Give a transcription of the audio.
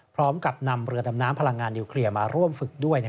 พร้อมกับนำเรือดำน้ำพลังงานนิวเคลียร์มาร่วมฝึกด้วย